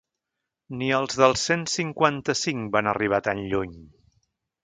Ni els del cent cinquanta-cinc van arribar tan lluny.